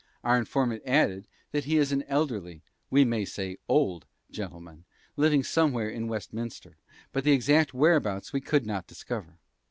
Our informant added, that he is an elderly, we may say old, gentleman, living somewhere in Westminster; but the exact whereabouts we could not discover.